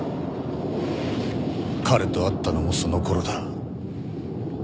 彼と会ったのもそのころだ。